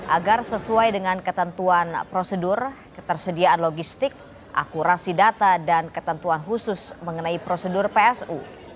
agar sesuai dengan ketentuan prosedur ketersediaan logistik akurasi data dan ketentuan khusus mengenai prosedur psu